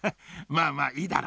まあまあいいだろう。